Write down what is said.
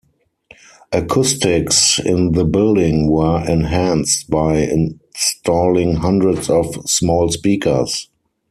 Acoustics in the building were enhanced by installing hundreds of small speakers.